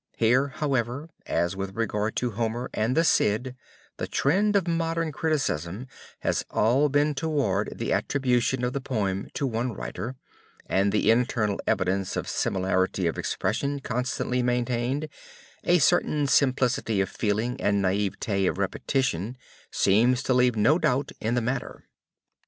Here, however, as with regard to Homer and the Cid, the trend of modern criticism has all been towards the attribution of the poem to one writer, and the internal evidence of similarity of expression constantly maintained, a certain simplicity of feeling and naïveté of repetition seems to leave no doubt in the matter.